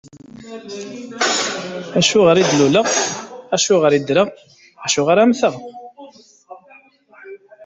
Acuɣeṛ i d-luleɣ, acuɣeṛ i ddreɣ, acuɣeṛ ara mteɣ?